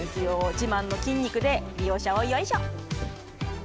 自慢の筋肉で、利用者をよいしょ。